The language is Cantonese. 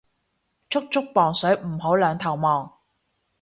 速速磅水唔好兩頭望